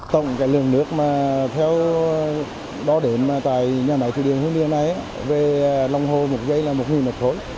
tổng cái lượng nước mà theo đo đếm tại nhà máy thủy điện hương điền này về lòng hồ một giây là một mét khối